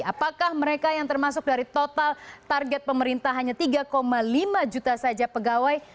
apakah mereka yang termasuk dari total target pemerintah hanya tiga lima juta saja pegawai